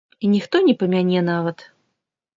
І ніхто не памяне нават.